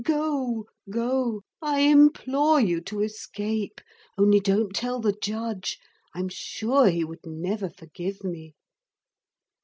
Go, go. I implore you to escape. Only don't tell the judge. I am sure he would never forgive me.'